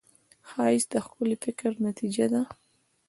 ښایست د ښکلي فکر نتیجه ده